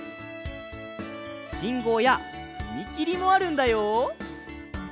しんごうやふみきりもあるんだよ